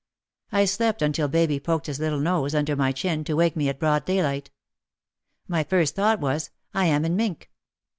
I slept until baby poked his little nose under my chin to wake me at broad daylight. My first thought was, "I am in Mintck."